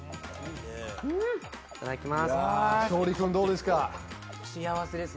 いただきます。